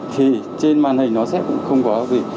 thì trên màn hình nó sẽ không có gì